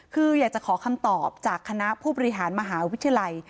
คืออยากจะขอคำตอบจากคณะผู้บริหารมหาวิทยาลัย